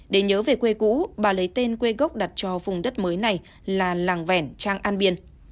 để nhớ về quê cũ bà lấy tên quê gốc đặt cho vùng đất mới này là làng vẻn trang an biên